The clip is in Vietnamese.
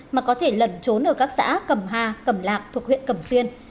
mà có thể lẩn trốn ở các xã cẩm hà cẩm lạc thuộc huyện cẩm xuyên